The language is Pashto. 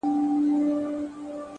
• هر سړی یې تر نظر پک او پمن وي ,